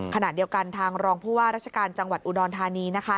ขณะเดียวกันทางรองผู้ว่าราชการจังหวัดอุดรธานีนะคะ